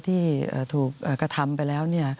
ที่ถูกกระทำไปแล้ว